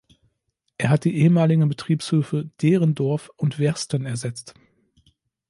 Er hat die ehemaligen Betriebshöfe Derendorf und Wersten ersetzt.